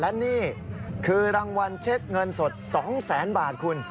และนี่ที่นี่คือรางวัลเช็กเงินสด๒๐๐๐๐๐บาท